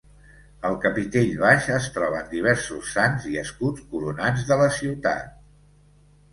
Al capitell baix es troben diversos sants i escuts coronats de la ciutat.